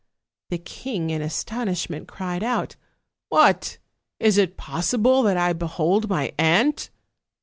The king, in astonishment, cried out: "What! is it possible that I behold my aunt?"